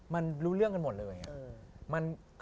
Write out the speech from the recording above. มันรู้เรื่องจริง